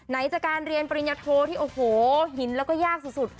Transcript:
จากการเรียนปริญญาโทที่โอ้โหหินแล้วก็ยากสุด